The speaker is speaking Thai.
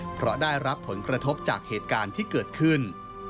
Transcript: เพราะได้รับผลกระทบจากเหตุการณ์ที่เกิดขึ้น